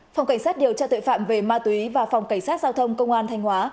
phòng cảnh sát điều tra tội phạm về ma túy và phòng cảnh sát giao thông công an thanh hóa